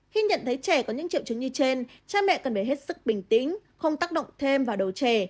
khi nhận thấy trẻ có những triệu chứng như trên cha mẹ cần phải hết sức bình tĩnh không tác động thêm vào đầu trẻ